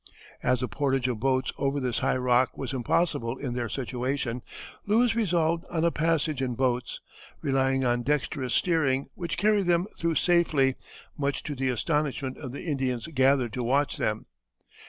As the portage of boats over this high rock was impossible in their situation, Lewis resolved on a passage in boats, relying on dexterous steering, which carried them through safely, much to the astonishment of the Indians gathered to watch them.